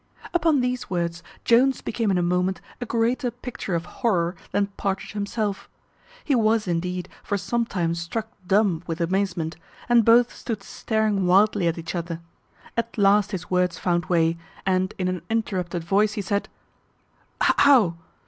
Upon these words Jones became in a moment a greater picture of horror than Partridge himself. He was, indeed, for some time struck dumb with amazement, and both stood staring wildly at each other. At last his words found way, and in an interrupted voice he said, "How!